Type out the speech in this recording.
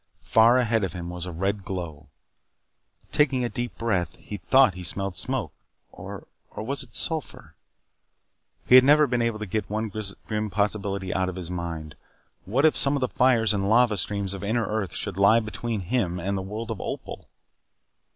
Far ahead of him was a red glow. Taking a deep breath, he thought he smelled smoke. Or was it sulphur? He had never been able to get one grim possibility out of his mind. What if some of the fires and lava streams of inner earth should lie between him and the world of Opal?